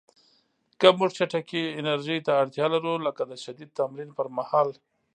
که موږ چټکې انرژۍ ته اړتیا لرو، لکه د شدید تمرین پر مهال